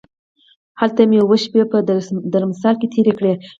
هلته مې اووه شپې په درمسال کې تېرې کړې.